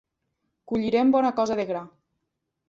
Collirem bona cosa de gra.